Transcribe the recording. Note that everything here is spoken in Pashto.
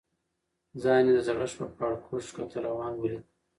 ځان یې د زړښت په پاړکو ښکته روان ولید.